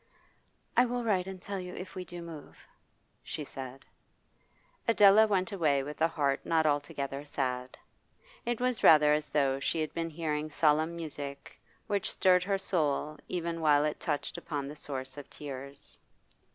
'I will write and tell you if we do move,' she said. Adela went away with a heart not altogether sad; it was rather as though she had been hearing solemn music, which stirred her soul even while it touched upon the source of tears.